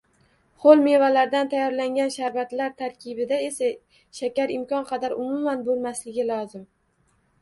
Hoʻl mevalardan tayyorlangan sharbatlar tarkibida esa shakar imkon qadar umuman boʻlmasligi lozim.